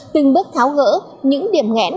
từng bước tháo gỡ những điểm ngẽn